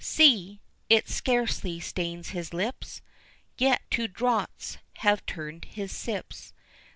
See! it scarcely stains his lips, Yet to draughts have turned his sips.